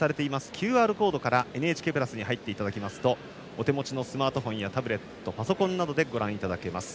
ＱＲコードから「ＮＨＫプラス」に入っていただきますとお手持ちのスマートフォンやタブレット、パソコンなどでご覧いただけます。